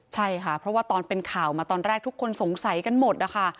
ใช่ค่ะเพราะว่าตอนเป็นข่าวมาตอนแรกทุกคนสงสัยกันหมดนะคะ